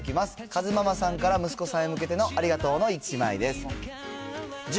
カズママさんから息子さんへ向けてのありがとうの１枚です。